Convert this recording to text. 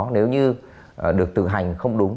nếu như được tự hành không đúng